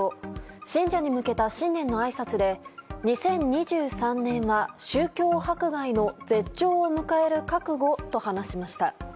信者に向けた新年のあいさつで２０２３年は宗教迫害の絶頂を迎える覚悟と話しました。